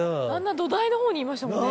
土台のほうにいましたもんね。